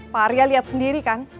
pak arya lihat sendiri kan